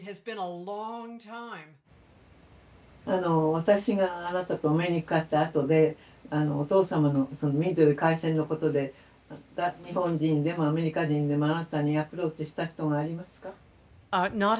私があなたとお目にかかったあとでお父様のそのミッドウェー海戦のことで日本人でもアメリカ人でもあなたにアプローチした人がありますか？